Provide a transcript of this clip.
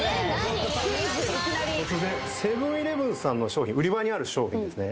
クイズいきなりセブン−イレブンさんの商品売り場にある商品ですね